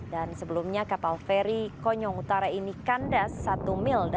dan sebelumnya kapal feri koyong utara ini kandas satu mil